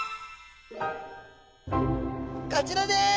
こちらです！